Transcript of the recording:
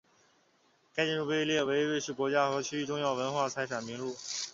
该建筑被列入瑞士国家和区域重要文化财产名录。